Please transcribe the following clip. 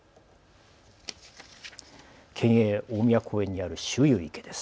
県営大宮公園にある舟遊池です。